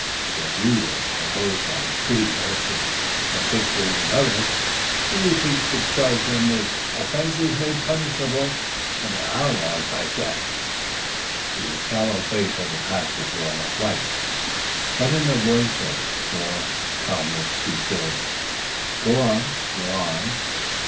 Because you were opposed by Goody Nurse, her sisters and others, you seek to charge them with offences made punishable under our laws with death." The sallow face of the pastor grew almost white; but, in a voice of forced calmness, he said: "Go on go on!"